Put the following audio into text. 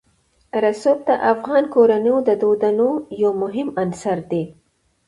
رسوب د افغان کورنیو د دودونو یو مهم عنصر دی.